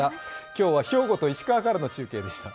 今日は兵庫と石川からの中継でした。